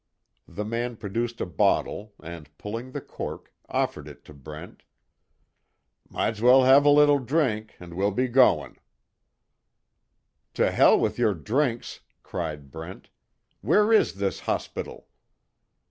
The man produced a bottle and pulling the cork, offered it to Brent: "Might's well have a little drink, an' we'll be goin'." "To hell with your drinks!" cried Brent, "Where is this hospital?"